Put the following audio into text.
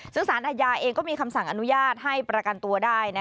ซึ่งสารอาญาเองก็มีคำสั่งอนุญาตให้ประกันตัวได้